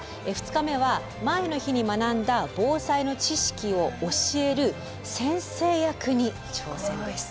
２日目は前の日に学んだ防災の知識を教える先生役に挑戦です。